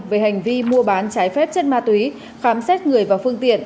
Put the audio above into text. về hành vi mua bán trái phép chất ma túy khám xét người và phương tiện